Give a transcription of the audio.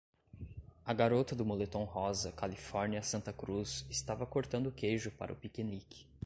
A garota do moletom rosa Califórnia Santa Cruz estava cortando queijo para o piquenique.